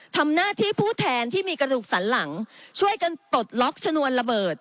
ทำหน้าที่ผู้แทนที่มีกระดูกสันหลังช่วยกันปลดล็อกชนวนระเบิด